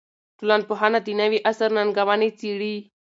ټولنپوهنه د نوي عصر ننګونې څېړي.